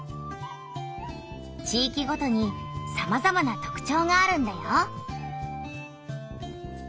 地域ごとにさまざまなとくちょうがあるんだよ。